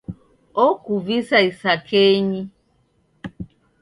Okuvisa isakenyi.